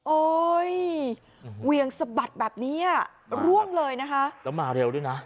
โอ้ยเวียงสะบัดแบบนี้อ่ะร่วงเลยนะคะแล้วมาเร็วด้วยนะ